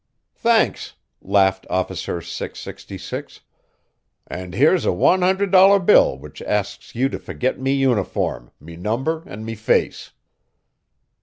"Thanks," laughed Officer 666, "an' here's a wan hundred dollar bill which asks ye to forget me uniform, me number an' me face."